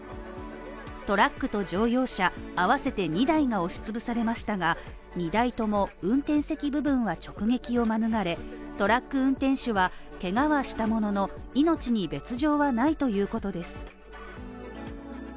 トラックと乗用車あわせて２台が押し潰されましたが、２台とも運転席部分は直撃を免れ、トラック運転手は怪我はしたものの命に別状はないということです。